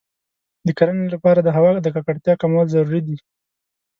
د کرنې لپاره د هوا د ککړتیا کمول ضروري دی.